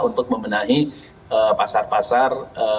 untuk memenahi pasar pasar